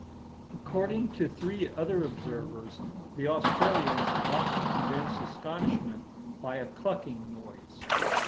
According to three other observers, the Australians often evince astonishment by a clucking noise.